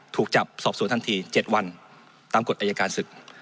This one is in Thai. ถูกจับสอบสวนทันที๗วันตามกฎอายการศึก